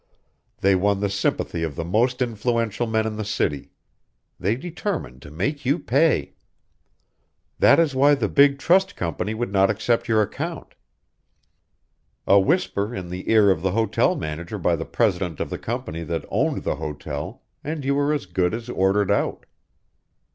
They won the sympathy of the most influential men in the city. They determined to make you pay! "That is why the big trust company would not accept your account. A whisper in the ear of the hotel manager by the president of the company that owned the hotel, and you were as good as ordered out.